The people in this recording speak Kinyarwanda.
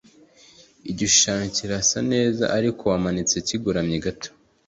igishushanyo kirasa neza, ariko wamanitse kigoramye gato